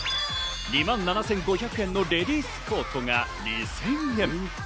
２万７５００円のレディースコートが２０００円。